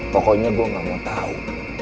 pokoknya gue gak mau tahu